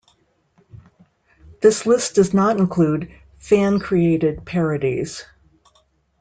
This list does not include fan created parodies.